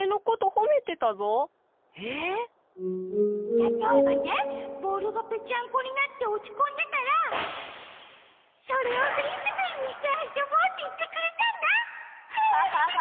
たとえばねボールがぺちゃんこになっておちこんでたらそれをフリスビーにしてあそぼうっていってくれたんだ。